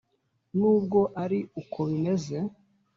Nubwo ari uko bimeze